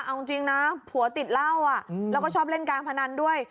เอาจริงนะผัวติดเหล้าแล้วก็ชอบเล่นการพนันด้วย